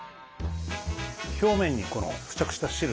表面に付着した汁。